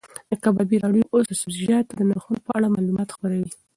د کبابي راډیو اوس د سبزیجاتو د نرخونو په اړه معلومات خپروي.